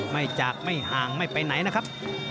ไม่จากไม่ห่างไม่ไปไหนนะครับ